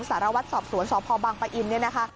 สารวัตรสอบสวนสพบังปะอินเนี่ยนะคะ